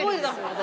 私！